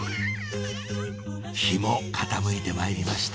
日も傾いてまいりました